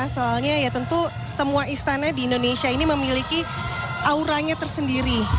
soalnya ya tentu semua istana di indonesia ini memiliki auranya tersendiri